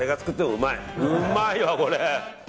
うまいわ、これ！